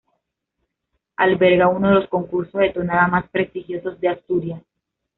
Alberga uno de los concursos de tonada más prestigiosos de Asturias.